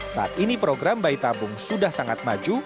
saat ini program bayi tabung sudah sangat maju